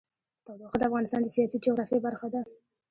تودوخه د افغانستان د سیاسي جغرافیه برخه ده.